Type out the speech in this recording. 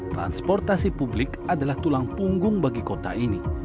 transportasi publik adalah tulang punggung bagi kota ini